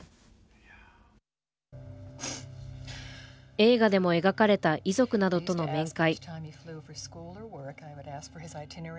映画でも描かれた遺族などとの面会。